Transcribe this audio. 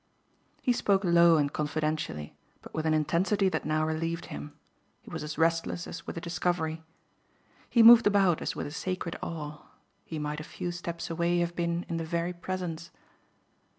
He spoke low and confidentially, but with an intensity that now relieved him he was as restless as with a discovery. He moved about as with a sacred awe he might a few steps away have been in the very presence.